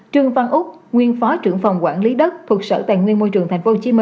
trương văn úc nguyên phó trưởng phòng quản lý đất thuộc sở tài nguyên môi trường tp hcm